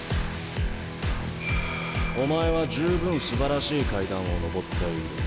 お前は十分すばらしい階段を上っている。